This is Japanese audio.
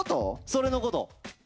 それのこと！